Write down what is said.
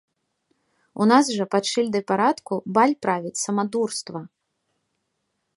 У нас жа пад шыльдай парадку баль правіць самадурства.